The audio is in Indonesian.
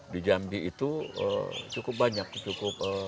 di jambi itu cukup banyak cukup